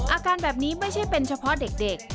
อาการแบบนี้ไม่ใช่เป็นเฉพาะเด็ก